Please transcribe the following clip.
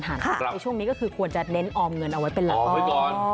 ในช่วงนี้ก็ควรจะเน้นออมเงินออกไว้ก่อน